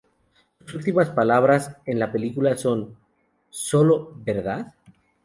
Sus últimas palabras en la película son "Solo ¿verdad?".